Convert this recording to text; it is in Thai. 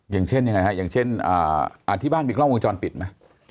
อย่างเช่นอย่างไรครับอย่างเช่นอาทิบ้านมีกล้องวงจรปิดไหม